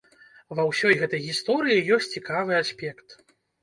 Ва ўсёй гэтай гісторыі ёсць цікавы аспект.